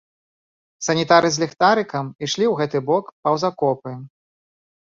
Санітары з ліхтарыкам ішлі ў гэты бок паўз акопы.